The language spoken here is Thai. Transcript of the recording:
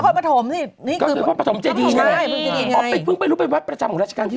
นครปฐมนี่คือนครปฐมเจดีย์ไงพึ่งรู้เป็นวัดประจำของราชการที่๖